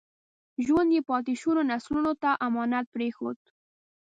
ژوند یې پاتې شونو نسلونو ته امانت پرېښود.